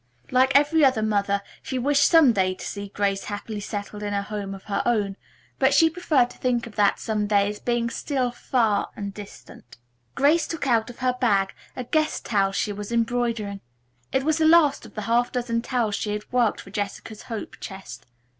Like every other mother she wished some day to see Grace happily settled in a home of her own, but she preferred to think of that someday as being still far distant. Grace took out of her bag a guest towel she was embroidering. It was the last of the half dozen towels she had worked for Jessica's hope chest.